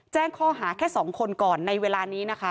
แจ้งข้อหาแค่๒คนก่อนในเวลานี้นะคะ